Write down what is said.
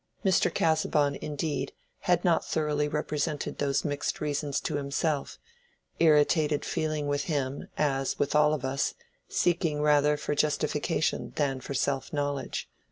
Mr. Casaubon, indeed, had not thoroughly represented those mixed reasons to himself; irritated feeling with him, as with all of us, seeking rather for justification than for self knowledge.